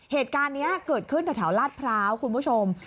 เหตุการณ์นี้เกิดขึ้นแถวลาดพร้าวคุณผู้ชม